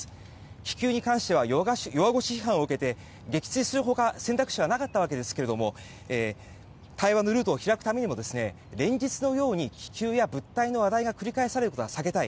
気球に関しては弱腰批判を受けて撃墜する他選択肢はなかったわけですが対話のルートを開くためにも連日のように気球や物体の話題がされることは避けたい。